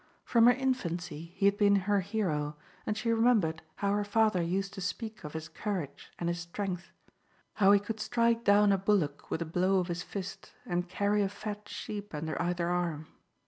From her infancy he had been her hero, and she remembered how her father used to speak of his courage and his strength, how he could strike down a bullock with a blow of his fist and carry a fat sheep under either arm.